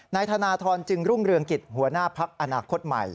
นายธนทรจึงรุ่งเรืองกิจหัวหน้าพักอนาคตใหม่